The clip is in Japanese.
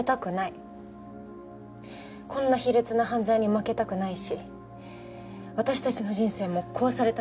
こんな卑劣な犯罪に負けたくないし私たちの人生も壊されたく。